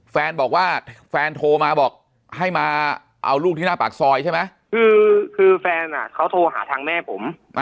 แฟนบอกว่าแฟนโทรมาบอกให้มาเอาลูกที่หน้าปากซอยใช่ไหมคือแฟนเขาโทรหาทางแม่ผม